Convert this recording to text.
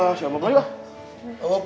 hei abah mah pemaham